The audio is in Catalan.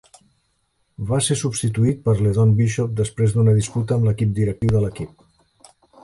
Va ser substituït per LeDon Bishop després d'una disputa amb l'equip directiu de l'equip.